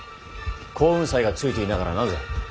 耕雲斎がついていながらなぜ。